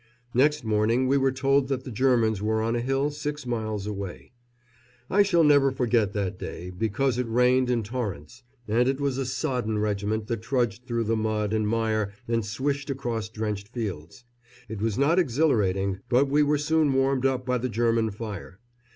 Next morning we were told that the Germans were on a hill six miles away. I shall never forget that day, because it rained in torrents, and it was a sodden regiment that trudged through the mud and mire and swished across drenched fields. It was not exhilarating, but we were soon warmed up by the German fire.